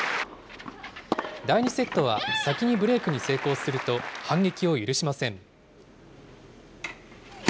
第２セットは、先にブレークに成功すると、反撃を許しません。